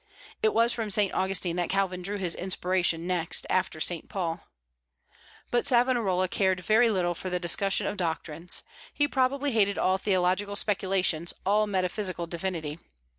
It was from Saint Augustine that Calvin drew his inspiration next after Saint Paul. But Savonarola cared very little for the discussion of doctrines; he probably hated all theological speculations, all metaphysical divinity.